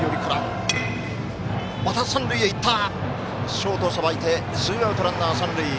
ショートさばいてツーアウト、ランナー、三塁。